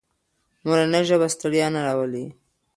مورنۍ ژبه ستړیا نه راولي.